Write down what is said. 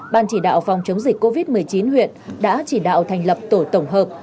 ban chỉ đạo phòng chống dịch covid một mươi chín huyện đã chỉ đạo thành lập tổ tổng hợp